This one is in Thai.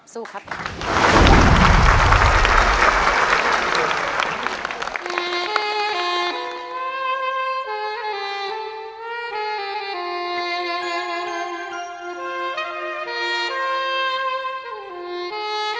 สู้ครับ